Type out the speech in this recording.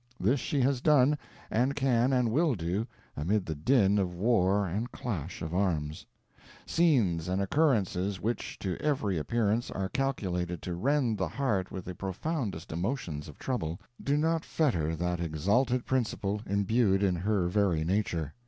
This she has done, and can and will do, amid the din of war and clash of arms. Scenes and occurrences which, to every appearance, are calculated to rend the heart with the profoundest emotions of trouble, do not fetter that exalted principle imbued in her very nature.